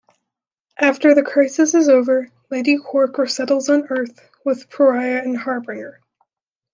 After the Crisis is over, Lady Quark resettles on Earth with Pariah and Harbinger.